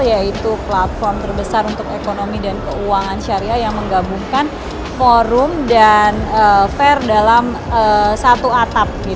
yaitu platform terbesar untuk ekonomi dan keuangan syariah yang menggabungkan forum dan fair dalam satu atap